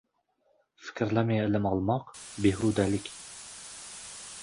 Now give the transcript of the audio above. — Fikrlamay ilm olmoq – behudalik;